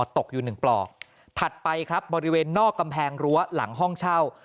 ตกอยู่หนึ่งปลอกถัดไปครับบริเวณนอกกำแพงรั้วหลังห้องเช่า